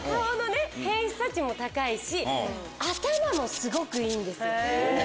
偏差値も高いし頭もすごくいいんですよ。